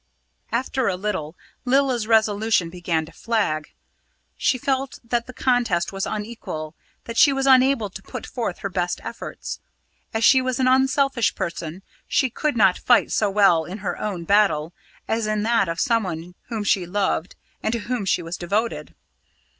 After a little Lilla's resolution began to flag. She felt that the contest was unequal that she was unable to put forth her best efforts. As she was an unselfish person, she could not fight so well in her own battle as in that of someone whom she loved and to whom she was devoted.